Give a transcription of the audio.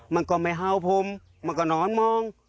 มันก็ไม่เห่าผมมันก็นอนมอง